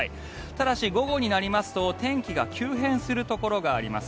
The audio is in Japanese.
ただし午後になりますと、天気が急変するところがあります。